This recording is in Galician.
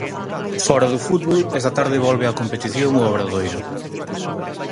Fóra do fútbol, esta tarde volve á competición o Obradoiro.